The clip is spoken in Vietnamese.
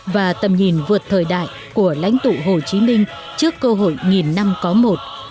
và tầm nhìn vượt thời đại của lãnh tụ hồ chí minh trước cơ hội nghìn năm có một